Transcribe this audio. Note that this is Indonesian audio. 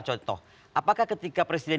contoh apakah ketika presiden